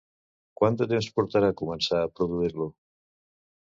Quant de temps portarà començar a produir-lo?